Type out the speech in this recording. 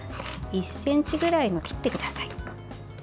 １ｃｍぐらいに切ってください。